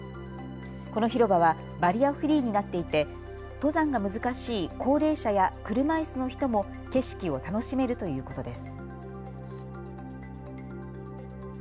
この広場はバリアフリーになっていて登山が難しい高齢者や車いすの人も景色を楽しめるということです。